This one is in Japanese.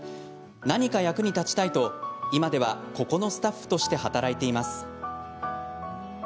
何か役に立ちたいと今では、ここのスタッフとして働いています。